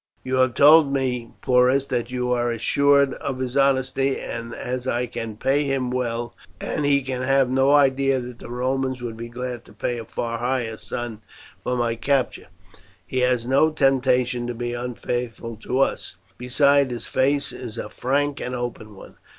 You have told me, Porus, that you are assured of his honesty, and as I can pay him well, and he can have no idea that the Romans would be glad to pay a far higher sum for my capture, he has no temptation to be unfaithful to us; besides, his face is a frank and open one.